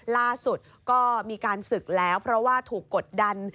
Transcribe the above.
ล่าสุดก็มีการศึกแล้วเพราะว่าถูกกดดัน